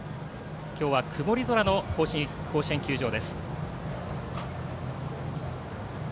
今日は曇り空の甲子園球場です。